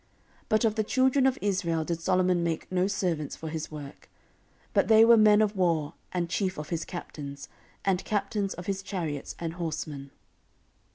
14:008:009 But of the children of Israel did Solomon make no servants for his work; but they were men of war, and chief of his captains, and captains of his chariots and horsemen.